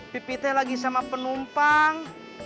pipih teh lagi sama penumpang